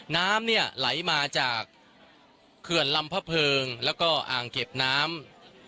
น้ำเนี่ยไหลมาจากเขื่อนลำพะเพิงแล้วก็อ่างเก็บน้ำ